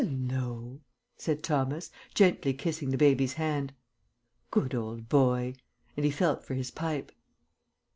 "Hallo!" said Thomas, gently kissing the baby's hand. "Good old boy," and he felt for his pipe.